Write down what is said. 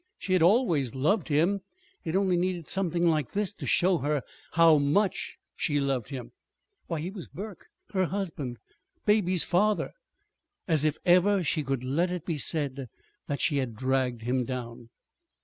She had always loved him. It only needed something like this to show her how much she loved him. Why, he was Burke, her husband Baby's father! As if ever she could let it be said that she had dragged him down!